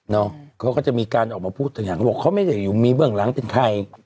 เขาก็จะมีการออกมาพูดถึงอย่างเขาบอกเขาไม่ได้อยู่มีเบื้องหลังเป็นใคร